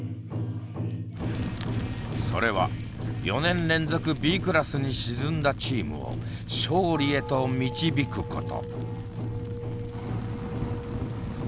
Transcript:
それは４年連続Ｂクラスに沈んだチームを勝利へと導くこと。